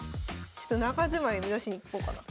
ちょっと中住まい目指しにいこうかな。